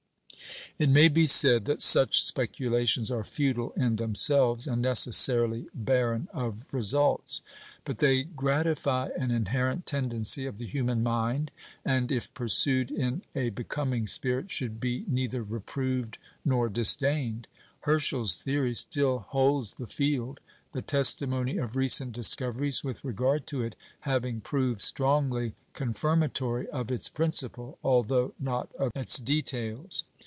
It may be said that such speculations are futile in themselves, and necessarily barren of results. But they gratify an inherent tendency of the human mind, and, if pursued in a becoming spirit, should be neither reproved nor disdained. Herschel's theory still holds the field, the testimony of recent discoveries with regard to it having proved strongly confirmatory of its principle, although not of its details.